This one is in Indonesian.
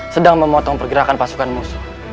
sedang memotong pergerakan pasukan musuh